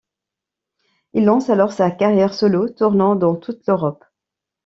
Il lance alors sa carrière solo, tournant dans toute l'Europe.